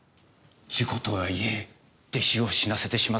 事故とはいえ弟子を死なせてしまった。